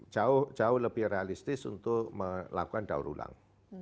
jauh jauh lebih realistis untuk melakukan daur ulang